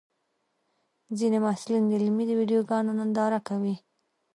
ځینې محصلین د علمي ویډیوګانو ننداره کوي.